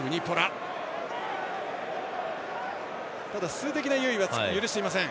数的な優位は許していません。